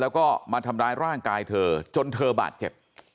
แล้วก็มาทำร้ายร่างกายเธอจนเธอบาดเจ็บ